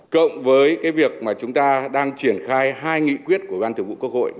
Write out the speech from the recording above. cộng với cái việc mà chúng ta đang triển khai hai nghị quyết của ban thường vụ quốc hội